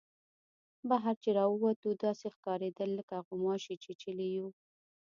بهر چې را ووتو داسې ښکارېدل لکه غوماشې چیچلي یو.